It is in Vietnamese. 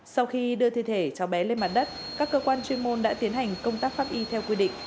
sau khi đưa thi thể cháu bé lên mặt đất các cơ quan chuyên môn đã tiến hành công tác pháp y theo quy định